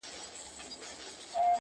o ولي مي هره شېبه ـ هر ساعت په غم نیسې ـ